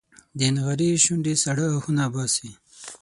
د نغري شوندې ساړه اهونه باسي